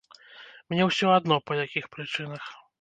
Мне ўсё адно, па якіх прычынах.